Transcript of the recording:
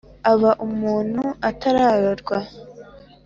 aba umuntu atararorwa […]